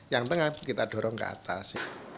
yang tengah kita dorong ke atas